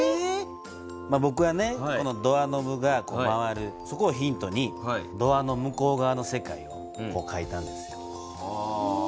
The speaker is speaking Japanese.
ぼくはこのドアノブがこう回るそこをヒントにドアの向こう側の世界をかいたんですよ。